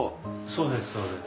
そうです。